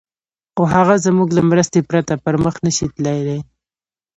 خو هغه زموږ له مرستې پرته پر مخ نه شي تللای.